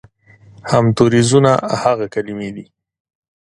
همتوریزونه هغه کلمې دي